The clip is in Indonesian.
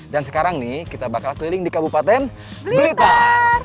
dan sekarang nih kita bakal keliling di kabupaten blitar